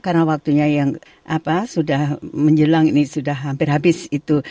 karena waktunya yang sudah menjelang ini sudah hampir habis itu